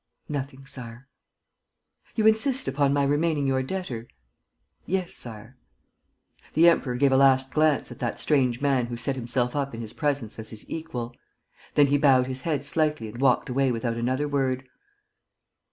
"Nothing, Sire." "You insist upon my remaining your debtor?" "Yes, Sire." The Emperor gave a last glance at that strange man who set himself up in his presence as his equal. Then he bowed his head slightly and walked away without another word.